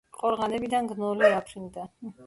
ყორღანებიდან გნოლი აფრინდა.